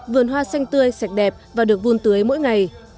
vườn hoa xanh tươi sạch đẹp và được vun tưới mỗi ngày